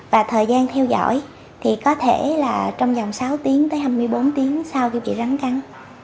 và thời gian theo dõi thì có thể là trong vòng sáu tiếng tới hai mươi bốn tiếng sau khi chị rắn cắn